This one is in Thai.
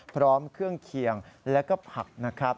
พร้อมเครื่องเคียงแล้วก็ผักนะครับ